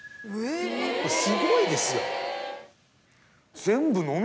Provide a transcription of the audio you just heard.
すごいですよ。